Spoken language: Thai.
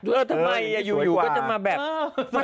ตัวเหมือนเอ้ยโยอยู่อ่ะ